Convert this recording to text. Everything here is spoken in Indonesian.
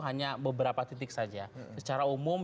hanya beberapa titik saja secara umum